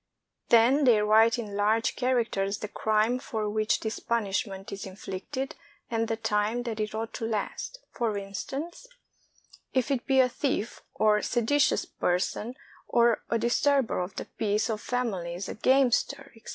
Then they write in large characters the crime for which this punishment is inflicted and the time that it ought to last; for instance, 183 CHINA if it be a thief or seditious person or a disturber of the peace of families, a gamester, etc.